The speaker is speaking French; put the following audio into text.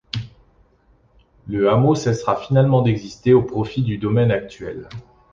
Le hameau cessera finalement d'exister au profit du domaine actuel.